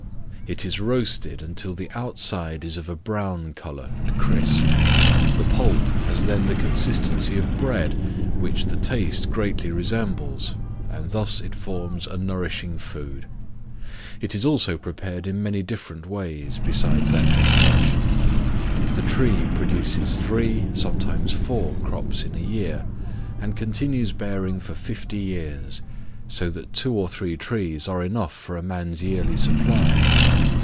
It is roasted until the outside is of a brown color and crisp; the pulp has then the consistency of bread, which the taste greatly resembles; and thus it forms a nourishing food: it is also prepared in many different ways, besides that just mentioned. The tree produces three, sometimes four crops in a year, and continues bearing for fifty years, so that two or three trees are enough for a man's yearly supply.